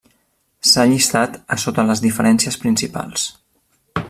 S'ha llistat a sota les diferències principals.